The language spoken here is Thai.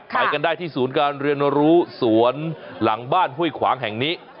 ไปกันได้ที่ศูนย์การเรียนรู้สวนหลังบ้านห้วยขวางแห่งนี้